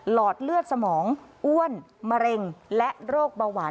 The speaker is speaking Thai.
อดเลือดสมองอ้วนมะเร็งและโรคเบาหวาน